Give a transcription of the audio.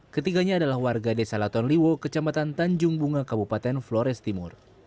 ketiganya adalah warga desa laton liwo kecamatan tanjung bunga kabupaten flores timur